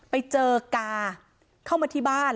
ไปเจอกาเข้ามาที่บ้าน